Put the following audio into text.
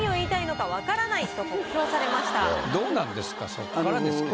そこからですけど。